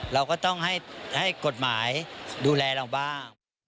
เราก็ต้องให้กฎหมายดูแลเราบ้าง